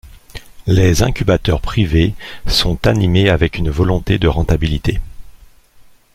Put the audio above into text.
Les incubateurs privés sont animés avec une volonté de rentabilité.